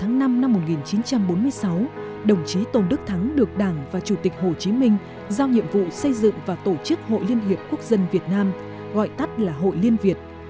ngày năm năm một nghìn chín trăm bốn mươi sáu đồng chí tôn đức thắng được đảng và chủ tịch hồ chí minh giao nhiệm vụ xây dựng và tổ chức hội liên hiệp quốc dân việt nam gọi tắt là hội liên việt